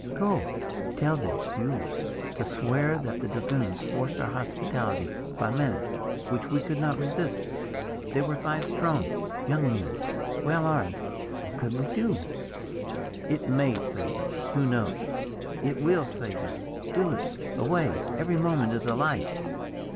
"Go! Tell them, you, to swear that the dragoons forced our hospitality by menace, which we could not resist. They were five strong young men, well armed. What could we do?" "It may save us who knows?" "It will save us! Do it. Away! Every moment is a life!"